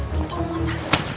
tunggu mau sakit